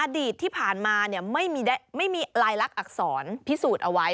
อดีตที่ผ่านมาไม่มีลายลักษณอักษรพิสูจน์เอาไว้